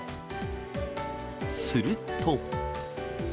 すると。